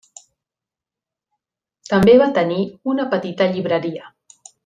També va tenir una petita llibreria.